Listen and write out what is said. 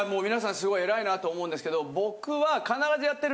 すごい偉いなと思うんですけど僕は。